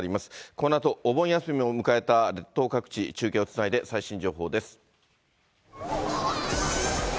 このあとお盆休みを迎えた列島各地、中継をつないで最新情報です。